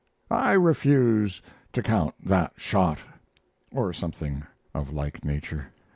I refuse to count that shot," or something of like nature.